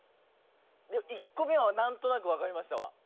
でも１個目はなんとなくわかりましたわ。